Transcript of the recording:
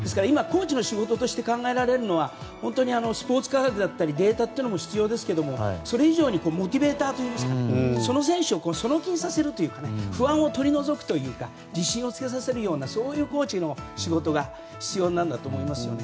今、コーチの仕事として考えられるのはスポーツ科学、だったりデータというのも必要ですけどもそれ以上にモチベーターといいますかその選手をその気にさせる不安を取り除く自信をつけさせるというそういうコーチの仕事が必要なんだと思います。